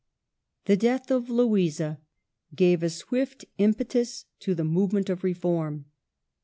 The death of Louisa gave a swift impetus to the movement of reform.